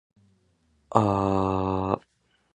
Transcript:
ぁー